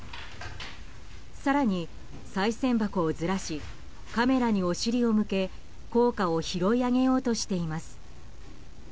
更に、さい銭箱をずらしカメラにお尻を向け硬貨を拾い上げようとしています。